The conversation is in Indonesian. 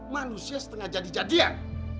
manusia setengah jadi jadian